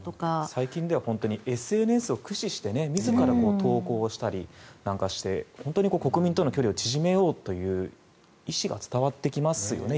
最近ではＳＮＳを駆使して自ら投稿したりして国民との距離を縮めようという意思が伝わってきますよね